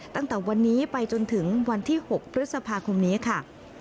ตั้งแต่วันนี้ไปจนถึงวันที่๖พฤษภาคมนี้ค่ะ